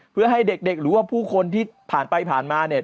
เพื่อให้เด็กหรือว่าผู้คนที่ผ่านไปผ่านมาเนี่ย